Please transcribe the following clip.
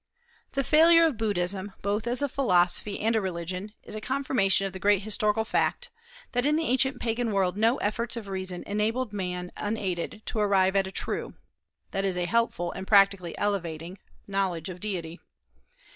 The failure of Buddhism, both as a philosophy and a religion, is a confirmation of the great historical fact, that in the ancient Pagan world no efforts of reason enabled man unaided to arrive at a true that is, a helpful and practically elevating knowledge of deity.